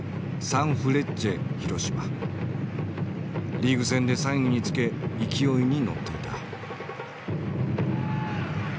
リーグ戦で３位につけ勢いに乗っていた。